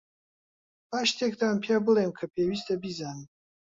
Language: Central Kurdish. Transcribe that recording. با شتێکتان پێبڵێم کە پێویستە بیزانن.